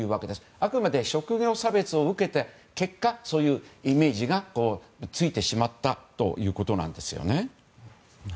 あくまで職業差別を受けて結果、そういうイメージがついてしまったということです。